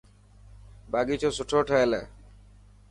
باغيچو سٺو ٺهيل هي.